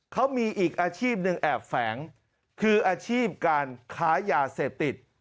เขามีอีกอาชีพหนึ่งแอบแฝงคืออาชีพการค้ายาเสพติด